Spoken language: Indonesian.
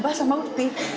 mbah samba uti